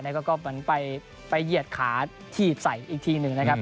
แล้วก็เหมือนไปเหยียดขาถีบใส่อีกทีหนึ่งนะครับ